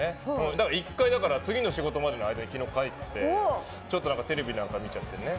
だから１回、家に昨日帰って、ちょっとテレビなんか見ちゃってね。